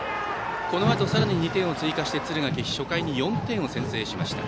このあとさらに２点を追加して敦賀気比が初回に４点を先制しました。